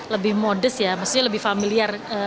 lebih modest ya maksudnya lebih familiar